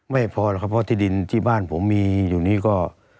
ไม่พอหรอกครับเพราะที่ดินที่บ้านผมมีอยู่นี้ก็